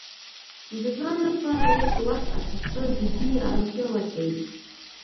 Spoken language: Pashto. د ځان لپاره لږ وخت اخیستل ذهني ارامتیا ورکوي.